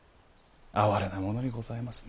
哀れなものにございますね。